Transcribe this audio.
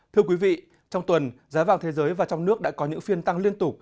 thưa quý vị trong tuần giá vàng thế giới và trong nước đã có những phiên tăng liên tục